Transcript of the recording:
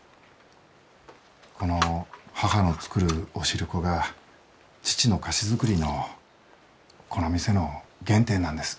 この母の作るお汁粉が父の菓子作りのこの店の原点なんです。